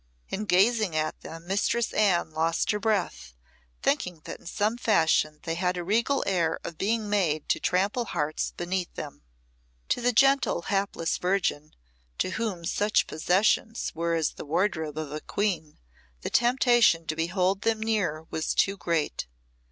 In gazing at them Mistress Anne lost her breath, thinking that in some fashion they had a regal air of being made to trample hearts beneath them. To the gentle, hapless virgin, to whom such possessions were as the wardrobe of a queen, the temptation to behold them near was too great.